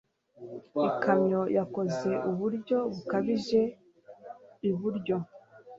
Ikamyo yakoze iburyo bukabije iburyo.